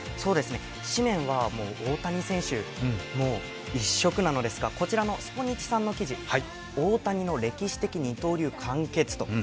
紙面は大谷選手一色なのですが、こちらのスポニチさんの記事、大谷の歴史的二刀流、完結と。